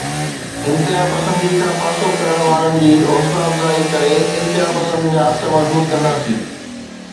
انتهاپسندي کان پاسو ڪرڻ وارن جي حوصلا افزائي ڪري انتها پسندن جا هٿ مضبوط ڪنداسين.